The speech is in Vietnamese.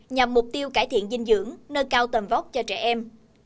nhằm mục tiêu cải thiện dinh dưỡng nâng cao tầm vóc cho trẻ em